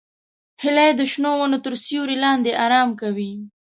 هیلۍ د شنو ونو تر سیوري لاندې آرام کوي